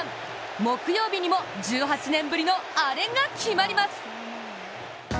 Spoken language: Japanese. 木曜日にも１８年ぶりのアレが決まります。